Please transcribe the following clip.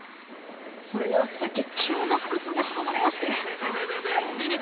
それがさっき急な腹痛で運ばれましてイテテ